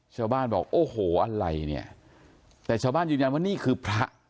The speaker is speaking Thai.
ชาวบ้านบอกโอ้โหอะไรเนี่ยแต่ชาวบ้านยืนยันว่านี่คือพระ